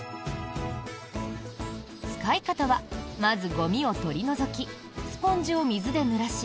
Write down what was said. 使い方は、まずゴミを取り除きスポンジを水でぬらし